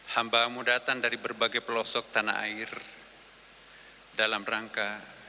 hambamu datang dari berbagai pelosok tanah air dalam rangka